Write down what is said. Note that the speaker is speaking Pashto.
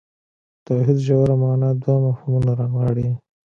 توحید ژوره معنا دوه مفهومونه رانغاړي.